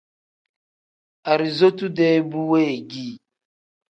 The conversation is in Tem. Arizotu-dee bu weegii.